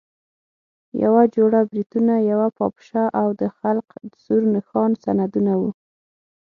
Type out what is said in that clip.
یوه جوړه بریتونه، یوه پاپشه او د خلق سور نښان سندونه وو.